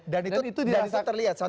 dan itu terlihat satu dua minggu ke tujuh